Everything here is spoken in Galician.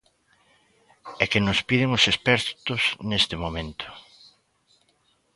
E que nos piden os expertos neste momento?